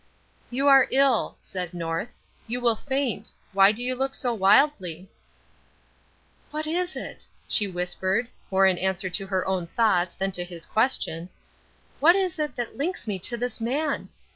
"You are ill," said North. "You will faint. Why do you look so wildly?" "What is it?" she whispered, more in answer to her own thoughts than to his question "what is it that links me to that man?